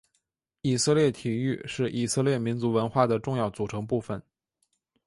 以色列体育是以色列民族文化的重要组成部分。